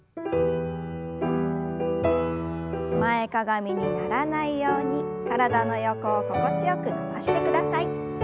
前かがみにならないように体の横を心地よく伸ばしてください。